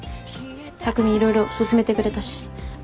匠色々進めてくれたし。